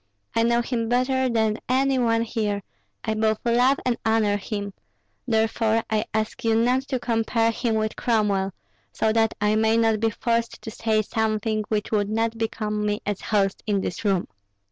I know him better than any one here; I both love and honor him; therefore I ask you not to compare him with Cromwell, so that I may not be forced to say something which would not become me as host in this room."